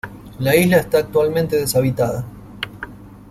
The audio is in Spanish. La isla está actualmente deshabitada.